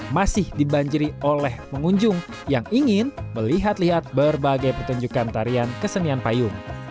masih dibanjiri oleh pengunjung yang ingin melihat lihat berbagai pertunjukan tarian kesenian payung